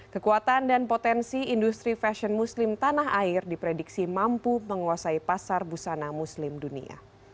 kekuatan dan potensi industri fashion muslim tanah air diprediksi mampu menguasai pasar busana muslim dunia